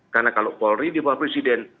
karena kalau polri di bawah presiden